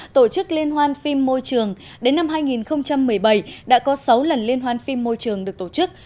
tổ chức liên hoan phim môi trường đến năm hai nghìn một mươi bảy đã có sáu lần liên hoan phim môi trường được tổ chức